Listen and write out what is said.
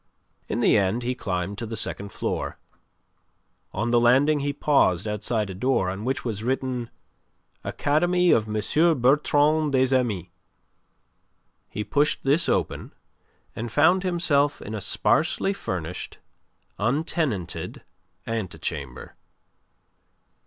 In the end he climbed to the second floor. On the landing he paused outside a door, on which was written "Academy of M. Bertrand des Amis." He pushed this open, and found himself in a sparsely furnished, untenanted antechamber.